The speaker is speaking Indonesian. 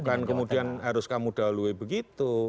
bukan kemudian harus kamu dahului begitu